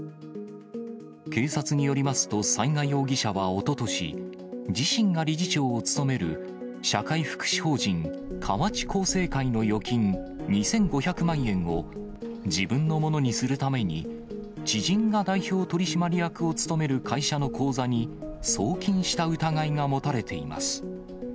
警察によりますと、雑賀容疑者はおととし、自身が理事長を務める社会福祉法人河内厚生会の預金、２５００万円を自分のものにするために、知人が代表取締役を務める会社の口座に送金した疑いが持たれています。